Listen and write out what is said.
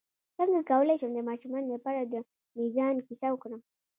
څنګه کولی شم د ماشومانو لپاره د میزان کیسه وکړم